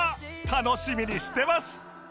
楽しみにしてます！